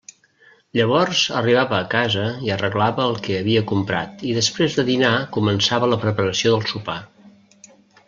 Llavors arribava a casa i arreglava el que havia comprat, i després de dinar començava la preparació del sopar.